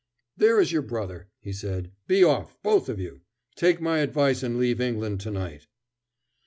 "There is your brother," he said. "Be off, both of you. Take my advice and leave England to night."